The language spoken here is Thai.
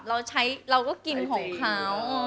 เราใช้เราก็กินของเขา